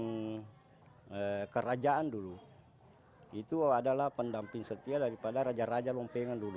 yang kerajaan dulu itu adalah pendamping setia daripada raja raja lompengan dulu